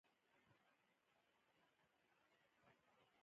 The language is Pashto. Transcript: عبدالله عبدالله چې کله د باندنيو چارو وزير و.